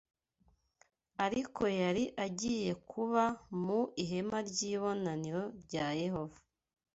Ariko yari agiye kuba mu ihema ry’ibonaniro rya Yehova